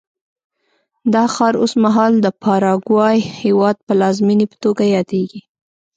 دا ښار اوس مهال د پاراګوای هېواد پلازمېنې په توګه یادېږي.